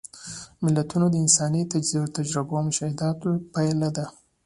متلونه د انساني تجربو او مشاهداتو پایله ده